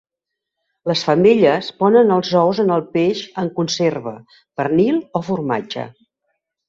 Les femelles ponen els ous en el peix en conserva, pernil o formatge.